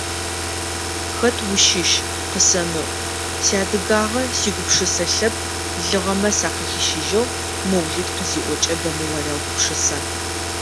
«Хэт ущыщ? къысэмыӀу! Сиадыгагъэ, Сигупшысэ Лъэпкъ лыгъэмэ сакъыхищыжьыгъ…»,- Моулид къызиӏокӏэ, бэмэ уарегъэгупшысэ.